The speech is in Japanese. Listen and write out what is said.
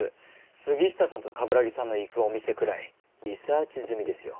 杉下さんと冠城さんの行くお店くらいリサーチ済みですよ。